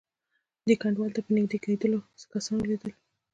دې کنډوالې ته په نږدې کېدلو کسان ولیدل.